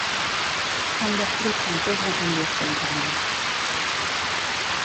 S'han descrit casos de canvi espontani.